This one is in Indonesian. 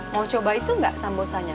mau coba itu nggak sambosanya